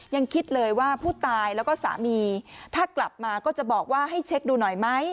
ยังคิดเลยว่าผู้ตายแล้วก็สามีถ้ากลับมาก็จะบอกว่าให้เช็คดูหน่อยไหม